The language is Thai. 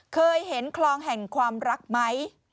เคยเห็นคลองแห่งความรักไหม